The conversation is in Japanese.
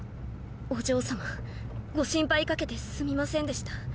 お嬢さまご心配かけてすみませんでした。